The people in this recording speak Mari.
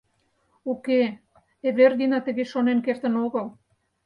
Уке, Эвердина тыге шонен кертын огыл.